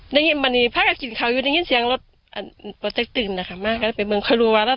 นี่มันนี่พระอาทิตย์เขาอยู่นี่นี่เซียงรถอ่าประเทศตื่นอ่ะค่ะมากก็ได้ไปเมืองคลุมว่าแล้ว